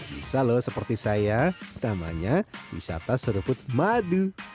bisa loh seperti saya namanya wisata seruput madu